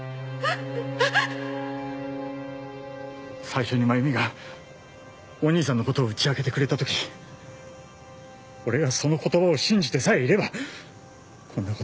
最初に真弓がお兄さんのことを打ち明けてくれたとき俺がその言葉を信じてさえいればこんなことにはならなかった。